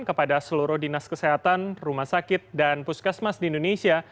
kepada seluruh dinas kesehatan rumah sakit dan puskesmas di indonesia